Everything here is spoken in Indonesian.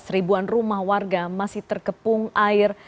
seribuan rumah warga masih terkepung air